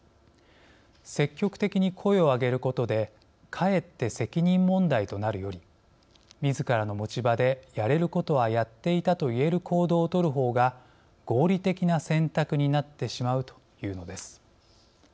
積極的に声を上げることでかえって責任問題となるよりみずからの持ち場でやれることはやっていたといえる行動をとるほうが合理的な選択になってしまうと言うのです。